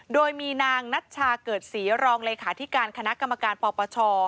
โดยมีนางนัชชาเกิดศรีรองเลขาธิการคณะกรรมการปปช